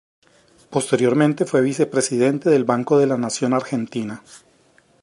Posteriormente fue vicepresidente del Banco de la Nación Argentina.